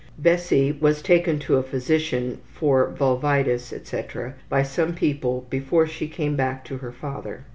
Bessie was taken to a physician for vulvitis, etc., by some people before she came back to her father.